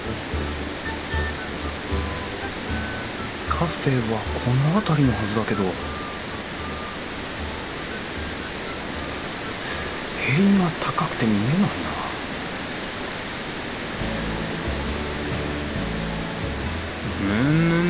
カフェはこの辺りのはずだけど塀が高くて見えないなむむむっ！